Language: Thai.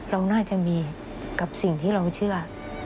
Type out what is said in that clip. เราน่าจะมีกับสิ่งที่เราเชื่อ